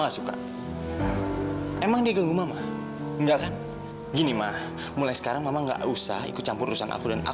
sampai jumpa di video selanjutnya